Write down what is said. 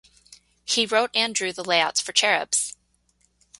He wrote and drew the layouts for Cherubs!